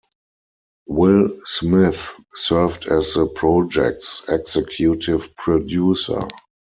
Will Smith served as the project's executive producer.